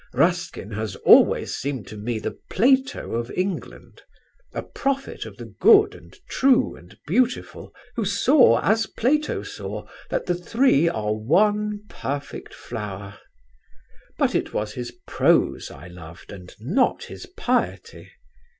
Ruskin has always seemed to me the Plato of England a Prophet of the Good and True and Beautiful, who saw as Plato saw that the three are one perfect flower. But it was his prose I loved, and not his piety.